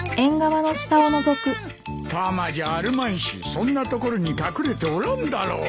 タマじゃあるまいしそんな所に隠れておらんだろう。